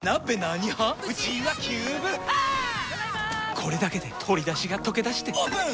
これだけで鶏だしがとけだしてオープン！